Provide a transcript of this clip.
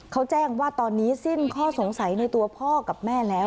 เขาแจ้งว่าตอนนี้สิ้นข้อสงสัยในตัวพ่อกับแม่แล้ว